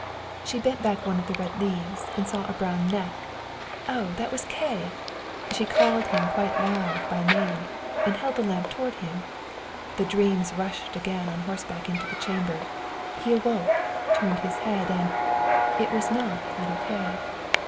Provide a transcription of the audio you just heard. She bent back one of the red leaves, and saw a brown neck oh, that was Kay! She called him quite loud by name, held the lamp toward him the dreams rushed again on horseback into the chamber he awoke, turned his head, and it was not little Kay!